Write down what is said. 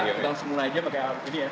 kita langsung mulai aja pakai ini ya